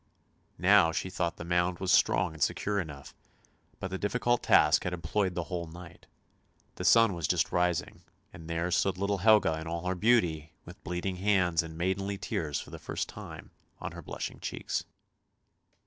Now she thought the mound was strong and secure enough, but the difficult task had employed the whole night; the sun was just rising, and there stood little Helga in all her beauty with bleeding hands and maidenly tears for the first time on her blushing cheeks.